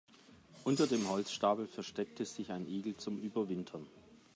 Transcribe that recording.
Unter dem Holzstapel versteckte sich ein Igel zum Überwintern.